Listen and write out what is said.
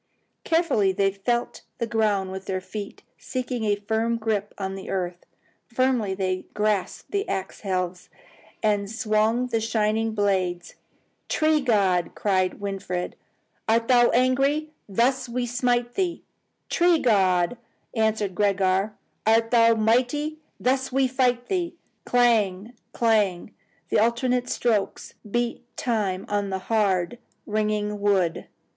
Carefully they felt the ground with their feet, seeking a firm grip of the earth. Firmly they grasped the axe helves and swung the shining blades. "Tree god!" cried Winfried, "art thou angry? Thus we smite thee!" "Tree god!" answered Gregor, "art thou mighty? Thus we fight thee!" Clang! clang! the alternate strokes beat time upon the hard, ringing wood.